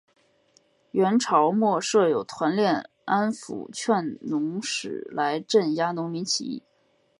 元朝末设有团练安辅劝农使来镇压农民起义。